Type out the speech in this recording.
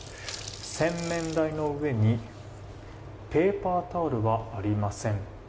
洗面台の上にペーパータオルがありません。